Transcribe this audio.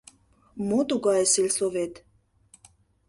Мо тугае сельсовет?